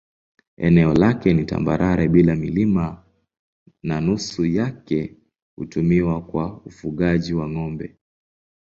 Eneo lake ni tambarare bila milima na nusu yake hutumiwa kwa ufugaji wa ng'ombe.